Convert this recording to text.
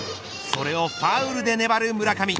それをファウルで粘る村上。